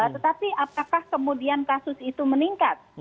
tetapi apakah kemudian kasus itu meningkat